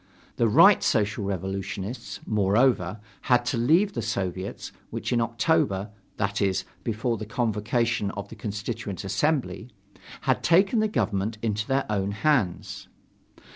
The Right Social Revolutionists, moreover, had to leave the Soviets, which in October that is, before the convocation of the Constituent Assembly had taken the government into their own hands.